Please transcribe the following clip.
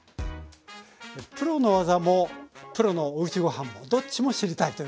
プロの技もプロのおうちごはんもどっちも知りたいというね